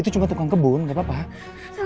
itu cuma tukang kebun nggak apa apa